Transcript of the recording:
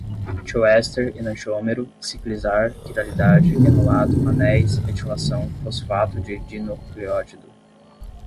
tioéster, enantiômero, ciclizar, quiralidade, enolato, anéis, metilação, fosfato de dinucléotido